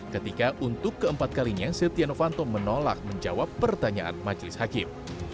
ketika untuk keempat kalinya setia novanto menolak menjawab pertanyaan majelis hakim